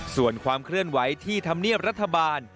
ส่วนความเคลื่อนไหวที่ธรรมเนียบรัฐบาล